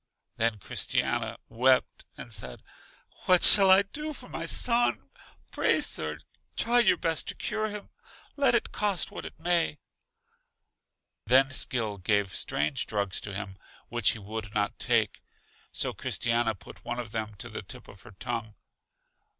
Then Christiana wept and said, What shall I do for my son? Pray, Sir, try your best to cure him, let it cost what it may. Then Skill gave strange drugs to him, which he would not take. So Christiana put one of them to the tip of her tongue.